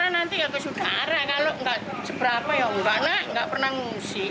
nanti aku sudah arah kalau nggak seberapa ya nggak pernah ngungsi